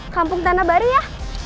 kampung tanah baru ya